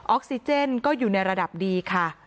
ออกซิเจนก็อยู่ในระดับดีค่ะ